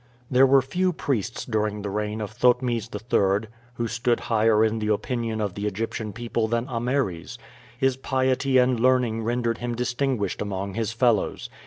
'" There were few priests during the reign of Thotmes III. who stood higher in the opinion of the Egyptian people than Ameres. His piety and learning rendered him distinguished among his fellows.